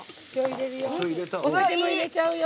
お酒も入れちゃうよ。